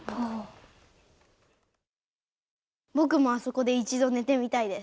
僕もあそこで一度寝てみたいです。